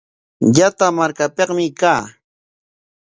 Llata markapikmi kaa.